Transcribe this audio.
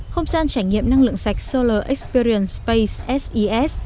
không gian trải nghiệm năng lượng sạch solar experience space ses